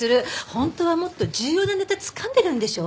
本当はもっと重要なネタつかんでるんでしょ？